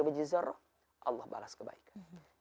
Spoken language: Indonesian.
berjizr allah balas kebaikan